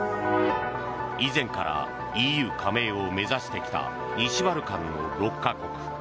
以前からＥＵ加盟を目指してきた西バルカンの６か国。